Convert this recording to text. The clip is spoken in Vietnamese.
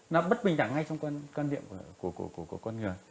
nó bất bình đẳng ngay trong quan niệm của con người